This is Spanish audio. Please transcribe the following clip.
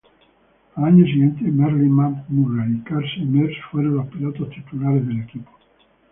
Al año siguiente, Marlin, McMurray y Casey Mears fueron los pilotos titulares del equipo.